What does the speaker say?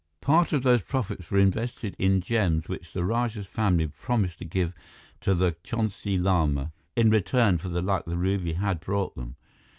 "Part of those profits were invested in gems which the Rajah's family promised to give to the Chonsi Lama in return for the luck the ruby had brought them.